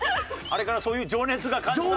あれからそういう情熱が感じた？